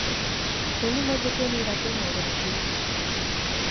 Нуно мый декем йӧратен огыт пиж.